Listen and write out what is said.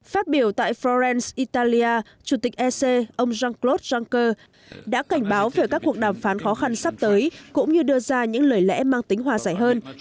phát biểu tại frorence italia chủ tịch ec ông jean claude juncker đã cảnh báo về các cuộc đàm phán khó khăn sắp tới cũng như đưa ra những lời lẽ mang tính hòa giải hơn